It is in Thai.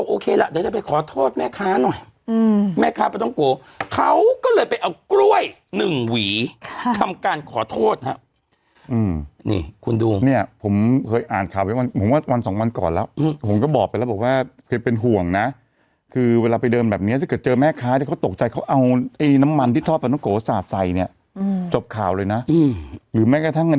อืมแม่ค้าประตำโกเขาก็เลยไปเอากล้วยหนึ่งหวีค่ะทำการขอโทษครับอืมนี่คุณดูเนี่ยผมเคยอ่านข่าวไว้วันผมว่าวันสองวันก่อนแล้วอืมผมก็บอกไปแล้วบอกว่าเคยเป็นห่วงน่ะคือเวลาไปเดินแบบเนี้ยถ้าเกิดเจอแม่ค้าที่เขาตกใจเขาเอาไอ้น้ำมันที่ทอดประตำกวดสะใสเนี้ยอืมจบข่าวเลยน่ะอืม